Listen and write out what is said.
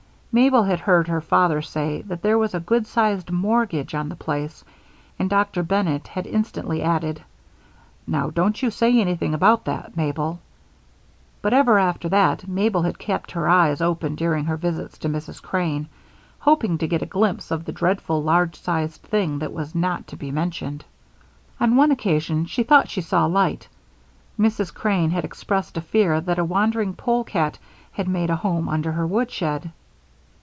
Mabel had heard her father say that there was a good sized mortgage on the place, and Dr. Bennett had instantly added: "Now, don't you say anything about that, Mabel." But ever after that, Mabel had kept her eyes open during her visits to Mrs. Crane, hoping to get a glimpse of the dreadful large sized thing that was not to be mentioned. On one occasion she thought she saw light. Mrs. Crane had expressed a fear that a wandering polecat had made a home under her woodshed.